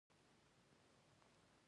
لمسی د ښو کارونو ستاینه کوي.